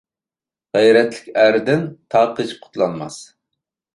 غەيرەتلىك ئەردىن تاغ قېچىپ قۇتۇلالماس.